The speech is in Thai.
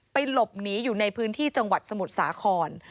หลบหนีอยู่ในพื้นที่จังหวัดสมุทรสาคร